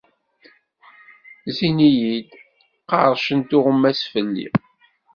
Zzin-iyi-d, qerrcen tuɣmas fell-i.